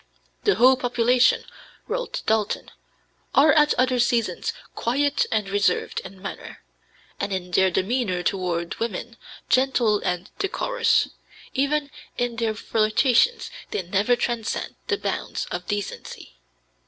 "The Ho population," wrote Dalton, "are at other seasons quiet and reserved in manner, and in their demeanor toward women gentle and decorous; even in their flirtations they never transcend the bounds of decency.